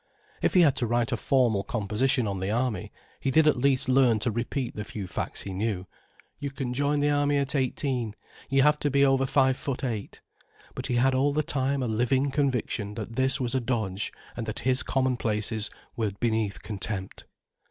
If he had to write a formal composition on the Army, he did at last learn to repeat the few facts he knew: "You can join the army at eighteen. You have to be over five foot eight." But he had all the time a living conviction that this was a dodge and that his common places were beneath contempt.